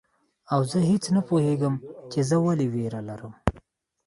او زه هیڅ نه پوهیږم چي زه ولي ویره لرم